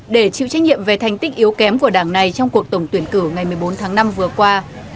để chịu trách nhiệm về thành tích yếu kém của đảng này trong cuộc tổng tuyển cử ngày một mươi bốn tháng năm vừa qua